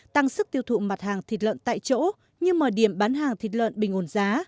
tăng sức tiêu thụ mặt hàng thịt lợn tại chỗ như mở điểm bán hàng thịt lợn bình ổn giá